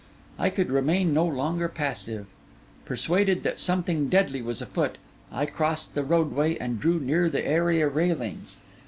I could remain no longer passive. Persuaded that something deadly was afoot, I crossed the roadway and drew near the area railings.